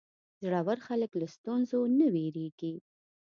زړور خلک له ستونزو نه وېرېږي.